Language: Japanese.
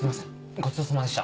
ごちそうさまでした。